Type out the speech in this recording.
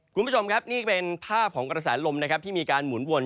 คุณผู้ชมครับนี่เป็นภาพของกระแสลมนะครับที่มีการหมุนวน